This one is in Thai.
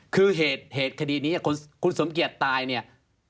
คือเหตุคดีนี้คุณสมเกียจตายเนี่ย